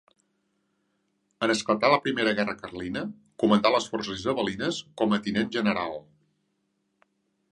En esclatar la Primera Guerra Carlina, comandà les forces isabelines com a tinent general.